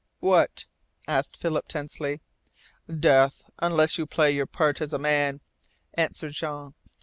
"What?" asked Philip tensely. "Death unless you play your part as a man," answered Jean.